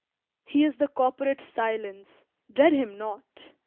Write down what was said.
He is the corporate Silence: dread him not!